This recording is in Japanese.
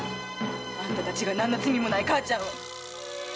あんた達が何の罪もない母ちゃんを！